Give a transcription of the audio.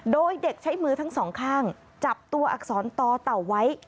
โดยเด็กใช้มือทั้งสองข้างจับตัวอักษรต่อเต่าไว้